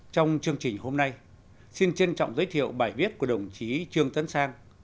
trong chương trình hôm nay xin trân trọng giới thiệu bài viết của đồng chí trương tấn sang